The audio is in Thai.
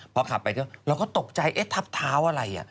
พอขับไปที่บ้านเราก็ตกใจทับเท้าอะไร